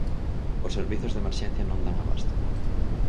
Os servizos de emerxencia non dan abasto.